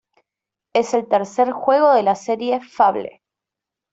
Es el tercer juego de la serie "Fable".